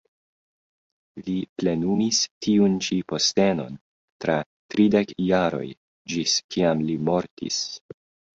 Li plenumis tiun ĉi postenon tra tridek jaroj, ĝis kiam li mortis.